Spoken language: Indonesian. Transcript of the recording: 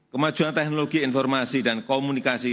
kemajuan teknologi informasi dan komunikasi